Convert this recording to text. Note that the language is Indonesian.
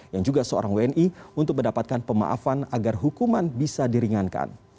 yang juga seorang wni untuk mendapatkan pemaafan agar hukuman bisa diringankan